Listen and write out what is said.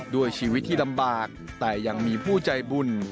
ด้วยชีวิตที่ลำบากแต่ยังมีผู้ใจบุญ